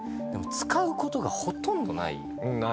でも使うことがほとんどない。